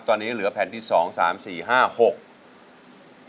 ตอนนี้เหลือแผ่นที่สองสามสี่ห้าหก